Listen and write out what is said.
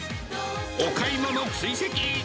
お買い物追跡！